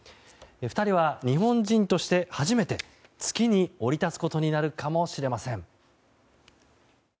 ２人は日本人として初めて月に降り立つことになるかもしれません。